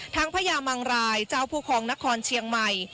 ทั้งพระยามังรายเจ้าผู้คองนครเชียงใหม่